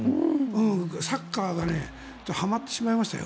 サッカーはまってしまいましたよ。